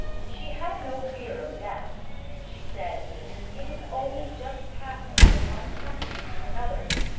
She had no fear of death. She said, "It is only just passing from one country to another....